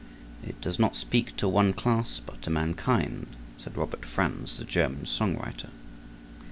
"It does not speak to one class but to mankind," said Robert Franz, the German song writer.